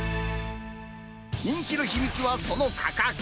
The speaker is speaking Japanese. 人気の秘密はその価格。